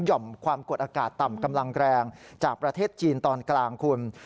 ่อมความกดอากาศต่ำกำลังแรงจากประเทศจีนตอนกลางคุณ